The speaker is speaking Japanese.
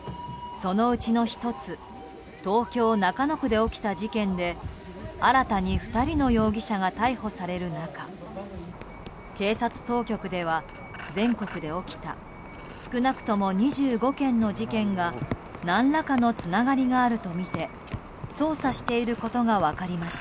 そのうちの１つ東京・中野区で起きた事件で新たに２人の容疑者が逮捕される中警察当局では全国で起きた少なくとも２５件の事件が何らかのつながりがあるとみて捜査していることが分かりました。